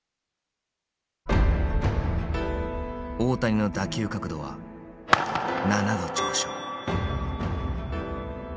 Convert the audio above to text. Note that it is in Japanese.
大谷の打球角度は７度上昇。